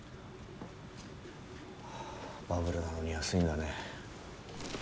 バブルなのに安いんだね。